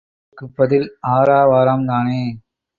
அதற்கு பதில் ஆரவாரம்தானோ?